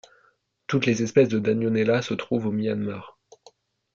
Toutes les espèces de Danionella se trouvent au Myanmar.